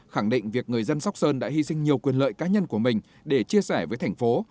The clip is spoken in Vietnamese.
khẳng định việc người dân sóc sơn đã hy sinh nhiều quyền lợi cá nhân của mình để chia sẻ với thành phố